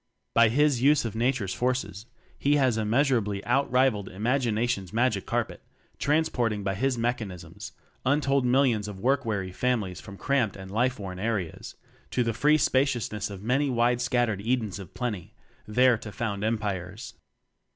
By his use of Nature's forces, he has immeasurably out rivalled imag ination's Magic Carpet, transporting by his mechanisms untold millions of work weary families from cramped and life worn areas to the free spaci ousness of many wide scattered Edens of plenty, there to found Empires.